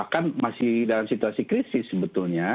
kan masih dalam situasi krisis sebetulnya